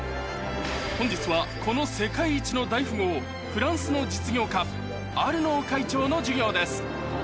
本日はこの世界一の大富豪フランスの実業家アルノー会長の授業です